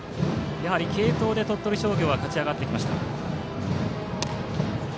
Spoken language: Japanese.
やはり継投で鳥取商業は勝ち上がってきました。